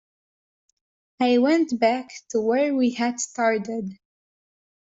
I went back to where we had started.